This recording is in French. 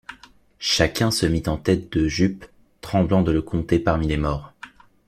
Chacun se mit en quête de Jup, tremblant de le compter parmi les morts